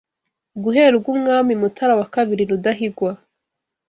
guhera ubwo umwami Mutara wa kabiri Rudahigwa